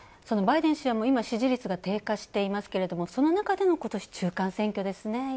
そのバイデン氏は支持率が低下していますけれども、その中でのことし、中間選挙ですね。